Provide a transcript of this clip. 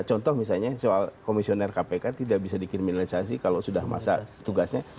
contoh misalnya soal komisioner kpk tidak bisa dikriminalisasi kalau sudah masa tugasnya